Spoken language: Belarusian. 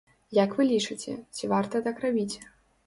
Як вы лічыце, ці варта так рабіць?